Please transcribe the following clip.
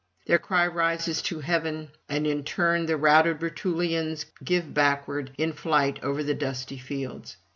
Their cry rises to heaven, and in turn the routed Rutulians give backward in flight over the dusty fields.